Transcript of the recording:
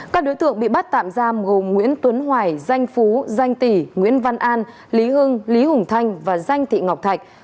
các đối tượng bị bắt tạm giam gồm nguyễn tuấn hoài danh phú danh tỷ nguyễn văn an lý hưng lý hùng thanh và danh thị ngọc thạch